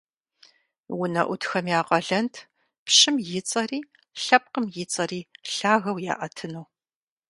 УнэӀутхэм я къалэнт пщым и цӀэри, лъэпкъым и цӀэри лъагэу яӀэтыну.